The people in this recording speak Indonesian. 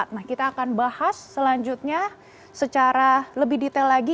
nah kita akan bahas selanjutnya secara lebih detail lagi